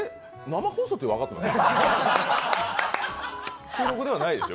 生放送って分かってます？